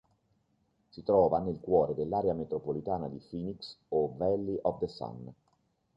Si trova nel cuore dell'area metropolitana di Phoenix o Valley of the Sun.